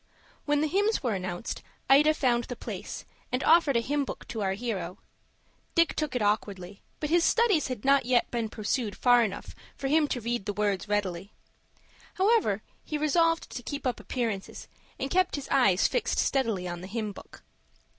When the hymns were announced, Ida found the place, and offered a hymn book to our hero. Dick took it awkwardly, but his studies had not yet been pursued far enough for him to read the words readily. However, he resolved to keep up appearances, and kept his eyes fixed steadily on the hymn book.